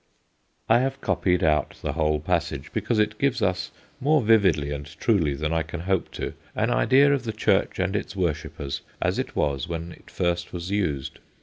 I have copied out the whole passage, because it gives us, more vividly and truly than I can hope to, an idea of the church and its worshippers as it was when it first was used.